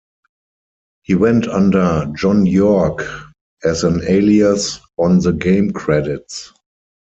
He went under "John York" as an alias on the game credits.